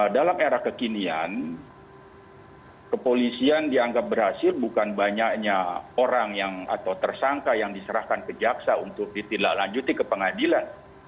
dalam era kekinian kepolisian dianggap berhasil bukan banyaknya orang yang atau tersangka yang diserahkan ke jaksa untuk ditindaklanjuti ke pengadilan